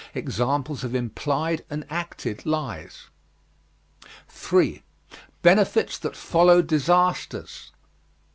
Examples of implied and acted lies. 3. BENEFITS THAT FOLLOW DISASTERS.